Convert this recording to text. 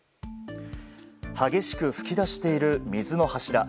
激しく噴き出している水の柱。